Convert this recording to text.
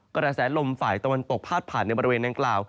กระแสลมฝ่ายตะวันตกพาดผ่านในบริเวณดังกล่าว